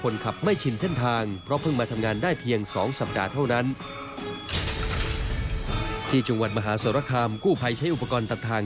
ที่จังหวัดมหาสรคามกู้ภัยใช้อุปกรณ์ตัดทาง